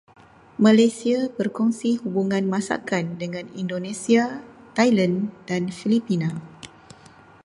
Malaysia berkongsi hubungan masakan dengan Indonesia, Thailand dan Filipina.